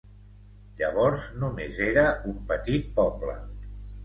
Llavors només era un petit poble.